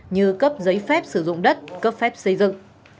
như cấp giấy phép sử dụng đất cấp phép xây dựng